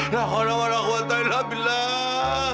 lakanamu lakuan tayyidil hamdullilah